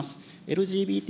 ＬＧＢＴ